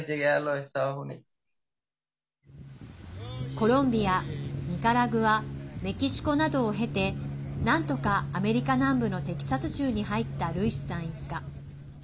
コロンビア、ニカラグアメキシコなどを経てなんとかアメリカ南部のテキサス州に入ったルイスさん一家。